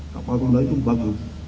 kapal tunda itu bagus